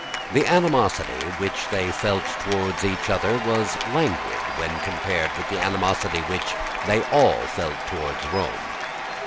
The animosity which they felt towards each other was languid when compared with the animosity which they all felt towards Rome.